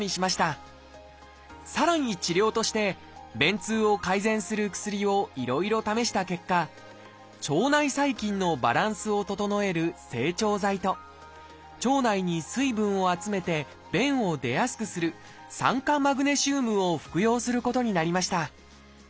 さらに治療として便通を改善する薬をいろいろ試した結果腸内細菌のバランスを整える「整腸剤」と腸内に水分を集めて便を出やすくする「酸化マグネシウム」を服用することになりました。